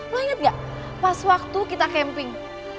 lu inget gak pas waktu kita camping